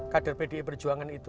kader pdi perjuangan itu